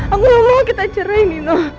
aku gak mau kita ceraiin nino